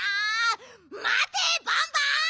まてバンバン！